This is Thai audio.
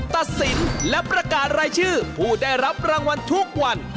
ตัดสินและประกาศรายชื่อผู้ได้รับรางวัลทุกวัน